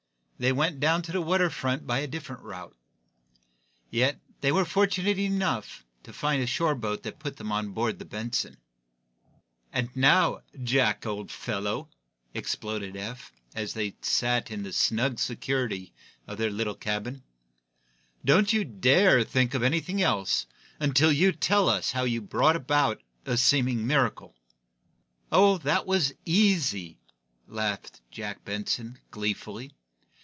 They went down to the water front by a different route. Yet they were fortunate enough to find a shore boat that put them out on board the "Benson." "And now, Jack, old fellow," exploded Eph, as they sat in the snug security of their little cabin, "don't you dare think of anything else until you tell us how you brought a seeming miracle about." "Oh, that was easy," laughed Jack Benson, gleefully.